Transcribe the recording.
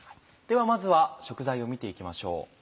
ではまずは食材を見て行きましょう。